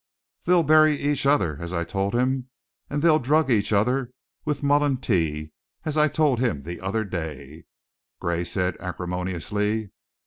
"They'll bury each other, as I told him, and they'll drug each other with mullein tea, as I told him the other day," Gray said, acrimoniously.